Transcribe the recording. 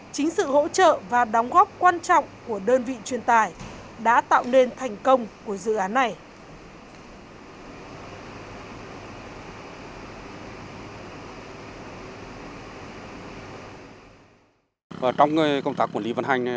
chính sự hỗ trợ và đóng góp quan trọng của đơn vị truyền tải đã tạo nên thành công của dự án này